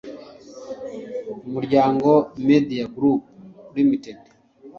umuryango media group ltd